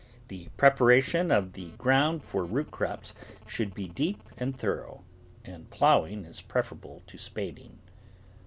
The prepa ration of the ground for root crops should be deep and thorough, and ploughing is preferable to spad ing.